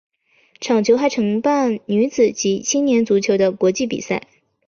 球场还承办女子及青年足球的国际比赛。